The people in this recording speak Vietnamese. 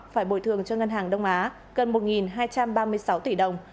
phải bồi thường cho ngân hàng đông á gần một hai trăm ba mươi sáu tỷ đồng